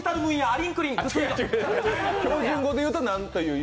標準語でいうとなんと？